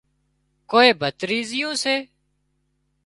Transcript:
ڪوئي ڀتريزيون سي